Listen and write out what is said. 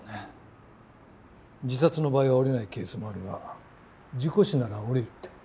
自殺の場合は下りないケースもあるが事故死なら下りる。